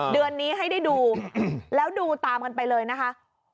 เดือนนี้ให้ได้ดูแล้วดูตามกันไปเลยนะคะ